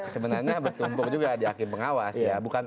sebenarnya bertumpuk juga di hakim pengawas ya